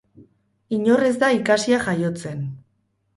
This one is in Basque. Inor ez da ikasia jaiotzen.